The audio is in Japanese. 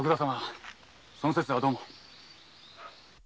その節はどうも。